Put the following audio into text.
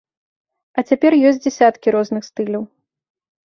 А цяпер ёсць дзясяткі розных стыляў.